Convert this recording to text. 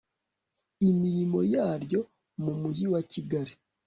imirimo yaryo mu mujyi wa Kigali